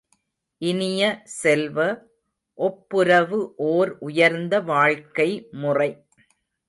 இனிய செல்வ, ஒப்புரவு ஓர் உயர்ந்த வாழ்க்கைமுறை.